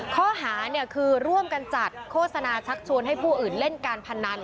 ข้อหาคือร่วมกันจัดโฆษณาชักชวนให้ผู้อื่นเล่นการพนัน